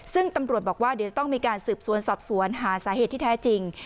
ซึ่งตำรวจบอกว่าเดี๋ยวจะต้องมีการสืบสวนสอบสวนหาสาเหตุที่แท้จริง